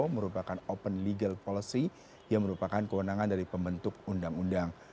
merupakan open legal policy yang merupakan kewenangan dari pembentuk undang undang